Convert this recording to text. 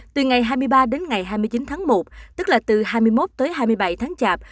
từ ngày hai mươi ba đến ngày hai mươi chín tháng một tức là từ hai mươi một tới hai mươi bảy tháng chạp